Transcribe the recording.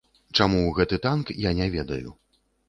Чаму гэты танк, я не ведаю.